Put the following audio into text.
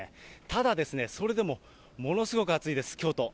ただ、それでもものすごく暑いです、京都。